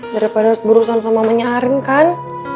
daripada harus berurusan sama menyaring kan